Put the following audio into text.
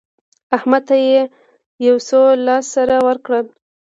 احمد ته يې څو لاس سره ورکړل؟